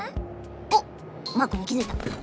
おっマークにきづいた。